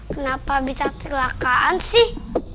kenapa bisa kecelakaan sih